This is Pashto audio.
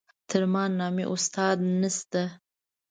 تر ما نامي استاد نشته.